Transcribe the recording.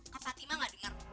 kak fatima gak dengar